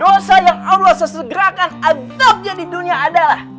dosa yang allah sesegerakan abtabnya di dunia adalah